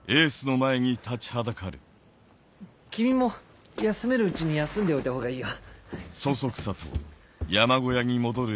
君も休めるうちに休んでおいた方がいいよ。